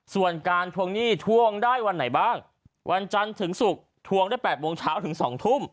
ส่วนการทวงหนี้ทวงได้วันไหนบ้างวันจันทร์ถึงศุกร์ทวงได้๘โมงเช้าถึง๒ทุ่ม